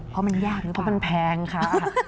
เพราะมันแพงค่ะ